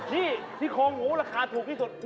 นี่ที่โครงหมูราคาถูกที่สุด